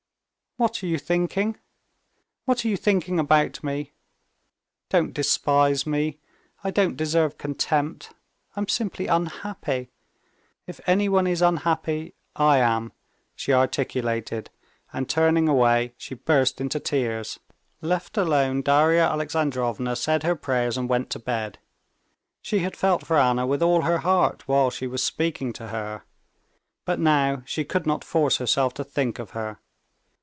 "What are you thinking? What are you thinking about me? Don't despise me. I don't deserve contempt. I'm simply unhappy. If anyone is unhappy, I am," she articulated, and turning away, she burst into tears. Left alone, Darya Alexandrovna said her prayers and went to bed. She had felt for Anna with all her heart while she was speaking to her, but now she could not force herself to think of her.